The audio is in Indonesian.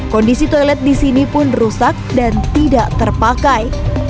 kondisi toilet di sini pun rusak dan tidak terpakai